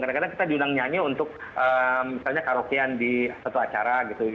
karena kita diundang nyanyi untuk misalnya karaokean di satu acara gitu